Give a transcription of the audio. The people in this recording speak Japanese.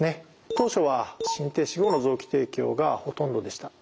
当初は心停止後の臓器提供がほとんどでした。